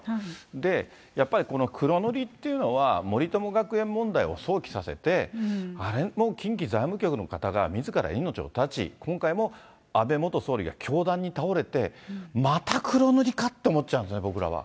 で、やっぱりこの黒塗りっていうのは、森友学園問題を想起させて、あれも近畿財務局の方がみずから命を絶ち、今回も安倍元総理が凶弾に倒れて、また黒塗りかって思っちゃうんですね、僕らは。